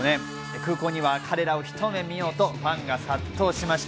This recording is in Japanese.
空港には彼らをひと目見ようとファンが殺到しました。